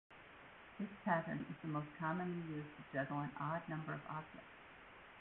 This pattern is most commonly used to juggle an odd number of objects.